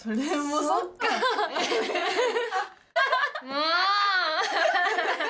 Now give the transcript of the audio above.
もう。